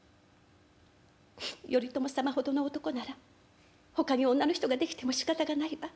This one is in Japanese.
「頼朝様ほどの男ならほかに女の人ができてもしかたがないわ。